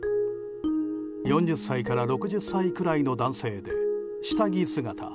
４０歳から６０歳くらいの男性で下着姿。